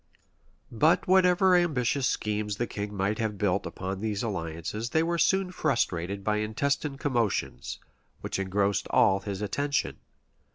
} But whatever ambitious schemes the king might have built on these alliances, they were soon frustrated by intestine commotions, which engrossed all his attention.